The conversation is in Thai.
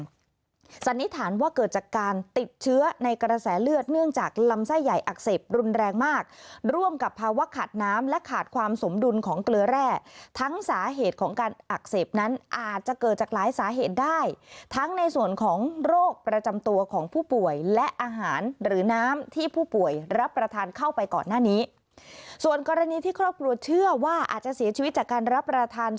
สันนิษฐานว่าเกิดจากการติดเชื้อในกระแสเลือดเนื่องจากลำไส้ใหญ่อักเสบรุนแรงมากร่วมกับภาวะขาดน้ำและขาดความสมดุลของเกลือแร่ทั้งสาเหตุของการอักเสบนั้นอาจจะเกิดจากหลายสาเหตุได้ทั้งในส่วนของโรคประจำตัวของผู้ป่วยและอาหารหรือน้ำที่ผู้ป่วยรับประทานเข้าไปก่อนหน้านี้ส่วนกรณีที่ครอบครัวเชื่อว่าอาจจะเสียชีวิตจากการรับประทาน